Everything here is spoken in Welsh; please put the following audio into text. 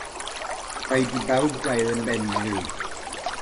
Rhaid i bawb gael yn benfeddw.